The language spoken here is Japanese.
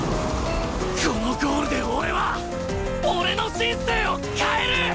このゴールで俺は俺の人生を変える！！